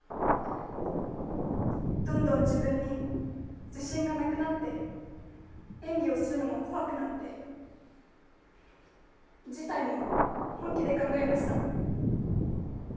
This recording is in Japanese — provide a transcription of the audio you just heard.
どんどん自分に自信がなくなって演技をするのも怖くなって辞退も本気で考えました。